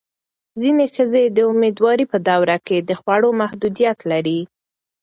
ځینې ښځې د مېندوارۍ په موده کې د خوړو محدودیت لري.